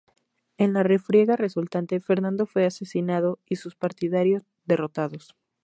En la refriega resultante, Fernando fue asesinado y sus partidarios derrotados.